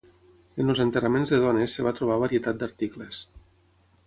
En els enterraments de dones es va trobar varietat d'articles.